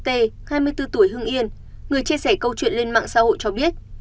thực khách pht hai mươi bốn tuổi hưng yên người chia sẻ câu chuyện lên mạng xã hội cho biết